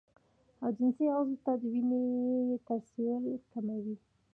او جنسي عضو ته د وينې ترسيل کموي